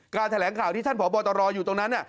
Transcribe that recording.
แถลงข่าวที่ท่านพบตรอยู่ตรงนั้น